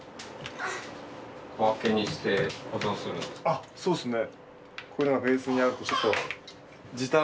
あっそうですね。